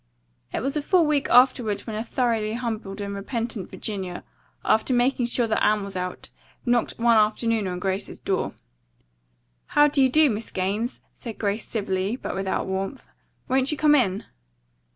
It was fully a week afterward when a thoroughly humbled and repentant Virginia, after making sure that Anne was out, knocked one afternoon at Grace's door. "How do you do, Miss Gaines," said Grace civilly, but without warmth. "Won't you come in?"